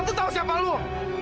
gue tuh tau siapa lo